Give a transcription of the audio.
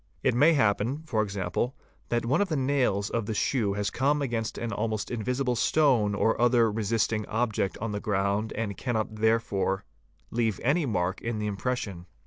It may happen, for example, that one of the nails of the shoe has come against an almost invisible stone or other resisting object on the ground and cannot therefore leave any mark in the impression.